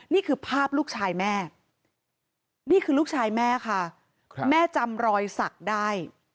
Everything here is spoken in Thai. นี่คือภาพลูกชายแม่นี่คือลูกชายแม่ค่ะแม่จำรอยศักดิ์ได้